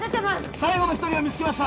最後の１人を見つけました！